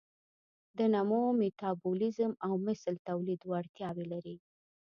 د نمو، میتابولیزم او مثل تولید وړتیاوې لري.